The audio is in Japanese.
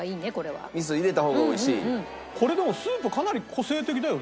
これでもスープかなり個性的だよね。